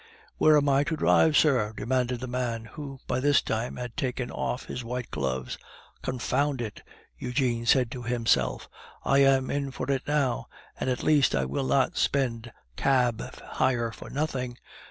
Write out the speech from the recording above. "Where am I to drive, sir?" demanded the man, who, by this time, had taken off his white gloves. "Confound it!" Eugene said to himself, "I am in for it now, and at least I will not spend cab hire for nothing!